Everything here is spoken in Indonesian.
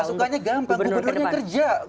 masukannya gampang gubernurnya kerja